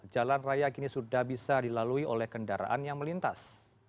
jalan raya kini sudah bisa dilalui oleh kendaraan yang melintas